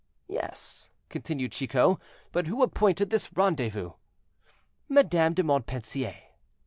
"Yes," continued Chicot, "but who appointed this rendezvous? "Madame de Montpensier."